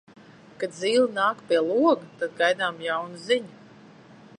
Kad zīle nāk pie loga, tad gaidāma jauna ziņa.